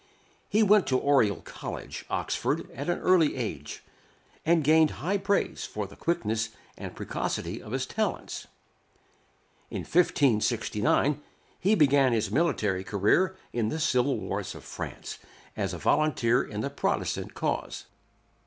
He went to Oriel College, Oxford, at an early age, and gained high praise for the quickness and precocity of his talents. In 1569 he began his military career in the civil wars of France, as a volunteer in the Protestant cause.